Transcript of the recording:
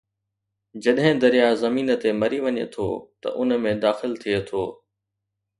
جڏهن درياهه زمين تي مري وڃي ٿو ته ان ۾ داخل ٿئي ٿو